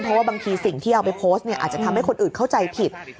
เพราะว่าบางทีสิ่งที่เอาไปโพสต์เนี่ยอาจจะทำให้คนอื่นเข้าใจผิด